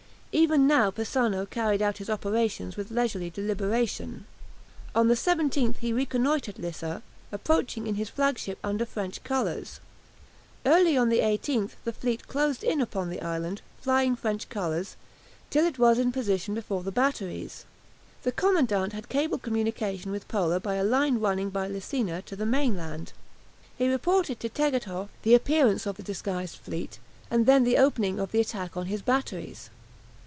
Even now Persano carried out his operations with leisurely deliberation. On the 17th he reconnoitred Lissa, approaching in his flagship under French colours. Early on the 18th the fleet closed in upon the island, flying French colours, till it was in position before the batteries. The commandant had cable communication with Pola by a line running by Lesina to the mainland. He reported to Tegethoff the appearance of the disguised fleet, and then the opening of the attack on his batteries.